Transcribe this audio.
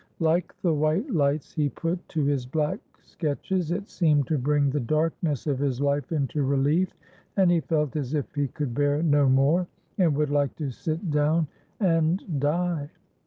Like the white lights he put to his black sketches, it seemed to bring the darkness of his life into relief, and he felt as if he could bear no more, and would like to sit down and die.